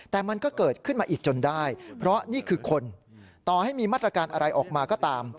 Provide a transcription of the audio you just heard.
แต่มันก็เกิดขึ้นมาอีกจนได้เพราะนี่คือคนต่อให้มีมาตรการอะไรออกมาก็ตาม